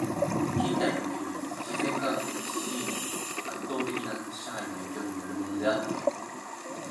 近代における自然科学的思惟の圧倒的な支配の影響に依るものであって、